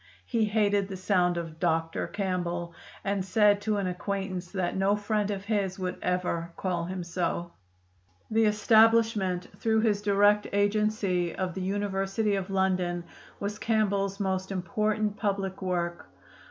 He hated the sound of Doctor Campbell, and said to an acquaintance that no friend of his would ever call him so." The establishment through his direct agency of the University of London was Campbell's most important public work.